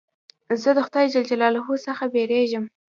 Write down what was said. زه د خدای جل جلاله څخه بېرېږم.